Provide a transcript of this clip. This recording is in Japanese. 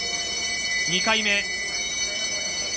２回目。